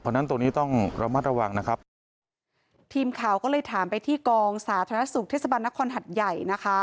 เพราะฉะนั้นตรงนี้ต้องระมัดระวังนะครับทีมข่าวก็เลยถามไปที่กองสาธารณสุขเทศบันนครหัดใหญ่นะคะ